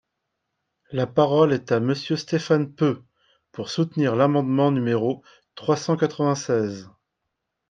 La parole est à Monsieur Stéphane Peu, pour soutenir l’amendement numéro trois cent quatre-vingt-seize.